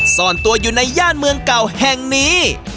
ซ่อนตัวอยู่ในย่านเมืองเก่าแห่งนี้